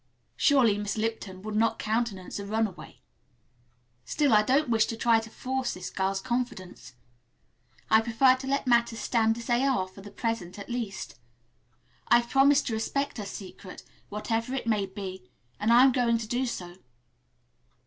Surely Miss Lipton would not countenance a runaway. Still I don't wish to try to force this girl's confidence. I prefer to let matters stand as they are, for the present, at least. I've promised to respect her secret, whatever it may be, and I am going to do so."